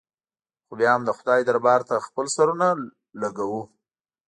خو بیا هم د خدای دربار ته خپل سرونه لږوو.